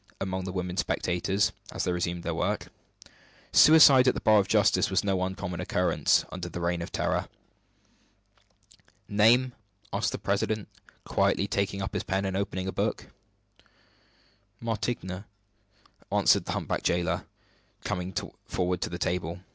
among the women spectators, as they resumed their work. Suicide at the bar of justice was no uncommon occurrence, under the Reign of Terror. "Name?" asked the president, quietly taking up his pen and opening a book. "Martigne," answered the humpbacked jailer, coming forward to the table.